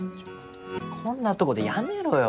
こんなとこでやめろよ。